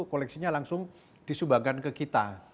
koleksinya langsung disumbangkan ke kita